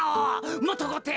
もっとおこって。